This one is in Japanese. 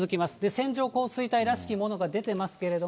線状降水帯らしきものが出てますけれども。